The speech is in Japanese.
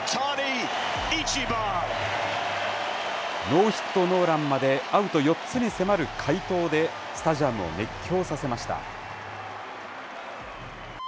ノーヒットノーランまでアウト４つに迫る快投でスタジアムを熱狂させました。